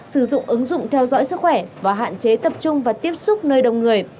sử dụng ứng dụng theo dõi sức khỏe và hạn chế tập trung và tiếp xúc nơi đông người